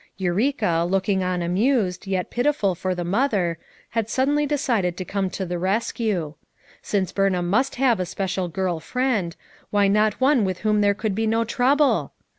Eureka, looking on amused, yet piti ful for the mother, had suddenly decided to come to the rescue. Since Burnham must have a special girl friend, why not one with whom there could be no trouble?